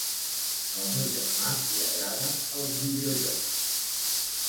Al meu germà li agraden els videojocs